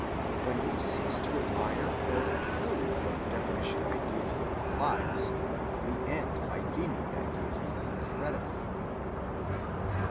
When we cease to admire or approve what the definition of a deity implies, we end by deeming that deity incredible.